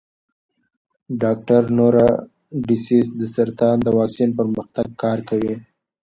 ډاکټر نورا ډسیس د سرطان د واکسین پر پرمختګ کار کوي.